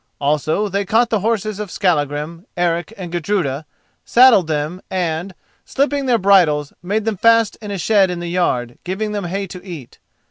Also they caught the horses of Skallagrim, Eric, and Gudruda, saddled them and, slipping their bridles, made them fast in a shed in the yard, giving them hay to eat.